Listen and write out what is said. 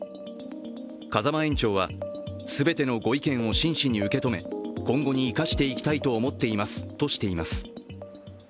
風間園長は全てのご意見を真摯に受け止め、今後に生かしていきたいと思っていますとしています。